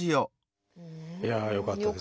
いやあよかったですね。